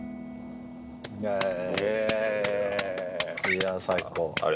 いや最高。